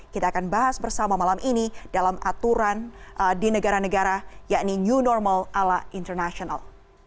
kita akan bahas bersama malam ini dalam aturan di negara negara yakni new normal ala international